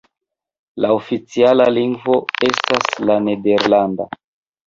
La oficiala lingvo estas la nederlanda.